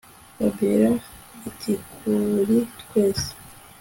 Fabiora atikuri twese